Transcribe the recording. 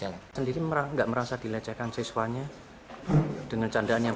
jadi gak merasa dilecehkan siswanya dengan candaannya